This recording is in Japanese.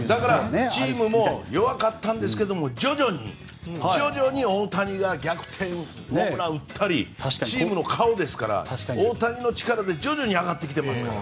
チームも弱かったんですけども徐々に大谷が逆転ホームランを打ったりチームの顔ですから大谷の力で徐々に上がってきていますから。